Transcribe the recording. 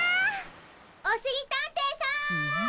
おしりたんていさん！